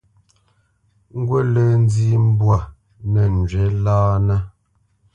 Ngut lǝ̂ nzǐ mbwǎ nǝ yɔ́njwǐ lǎnǝ.